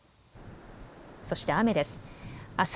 そして雨です。